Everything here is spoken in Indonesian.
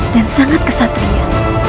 dan sangat kesatria